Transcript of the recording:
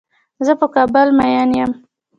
زۀ په کابل مين يم.